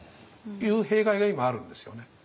いう弊害が今あるんですよね。